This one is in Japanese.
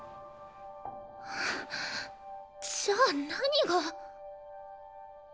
じゃあ何が。